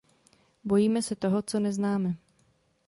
Bojíme se toho, co neznáme.